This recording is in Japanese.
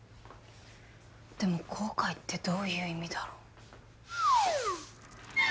でも「後悔」ってどういう意味だろう？